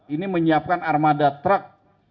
ini menyiapkan armada truk